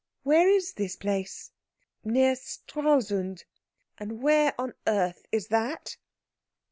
"Where is this place?" "Near Stralsund." "And where on earth is that?"